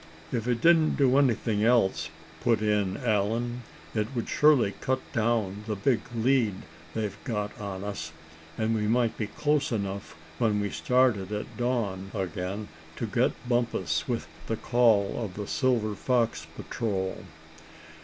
"If it didn't do anything else," put in Allan, "it would surely cut down the big lead they've got on us, and we might be close enough when we started at dawn again, to get Bumpus with the call of the Silver Fox Patrol."